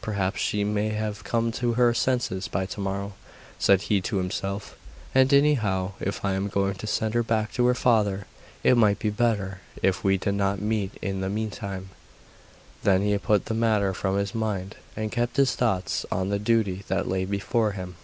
'Perhaps she may have come to her senses by to morrow,' said he to himself; 'and, anyhow, if I am going to send her back to her father, it might be better if we did not meet in the meantime! Then he put the matter from his mind, and kept his thoughts on the duty that lay before him.